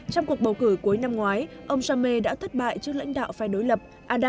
trong cuộc bầu cử cuối năm ngoái ông jammeh đã thất bại trước lãnh đạo phai đối lập